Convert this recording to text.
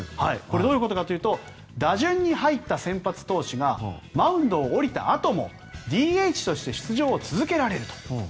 これ、どういうことかというと打順に入った先発投手がマウンドを降りたあともＤＨとして出場を続けられると。